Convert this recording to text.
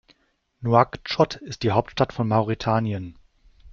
Nouakchott ist die Hauptstadt von Mauretanien.